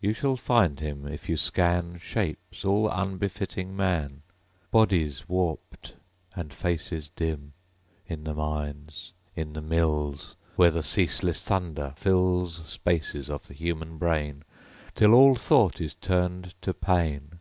You shall find him, if you scan Shapes all unbefitting Man, Bodies warped, and faces dim. In the mines; in the mills Where the ceaseless thunder fills Spaces of the human brain Till all thought is turned to pain.